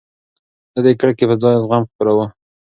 ده د کرکې پر ځای زغم خپراوه.